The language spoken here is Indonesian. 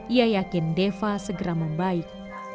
ia yakin deva segera membaik